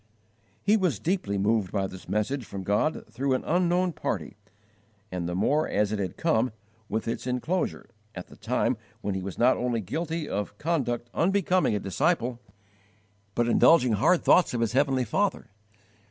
He was deeply moved by this message from God through an unknown party, and the more as it had come, with its enclosure, at the time when he was not only guilty of conduct unbecoming a disciple, but indulging hard thoughts of his heavenly Father.